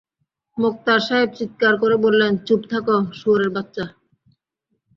মোক্তার সাহেব চিৎকার করে বললেন, চুপ থাক, শুয়োরের বাচ্চা।